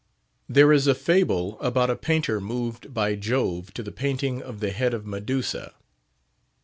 There is a fable about a painter moved by Jove to the painting of the head of Medusa.